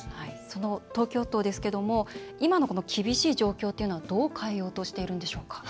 その東京都ですけれども今の厳しい状況はどう変えようとしているのでしょうか。